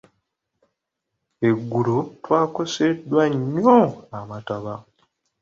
Eggulo twakoseddwa nnyo amataba.